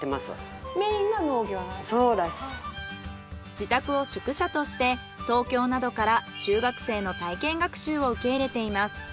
自宅を宿舎として東京などから中学生の体験学習を受け入れています。